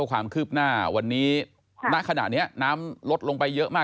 ความครืดหน้าวันนี้หรือยังนะคะ